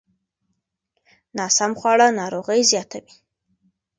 ناسم خواړه ناروغۍ زیاتوي.